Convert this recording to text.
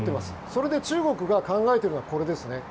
それで中国が考えているのはこれですね。